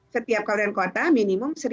setiap kabupaten kota minimum